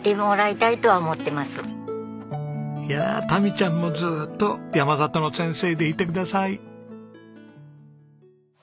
いやタミちゃんもずーっと山里の先生でいてください。